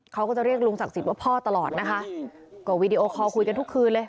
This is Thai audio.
เขาก็จะเรียกลุงศักดิ์สิทธิ์ว่าพ่อตลอดนะคะก็วีดีโอคอลคุยกันทุกคืนเลย